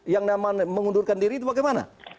yang namanya mengundurkan diri itu bagaimana